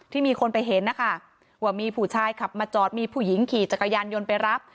มีคนไปเห็นนะคะว่ามีผู้ชายขับมาจอดมีผู้หญิงขี่จักรยานยนต์ไปรับ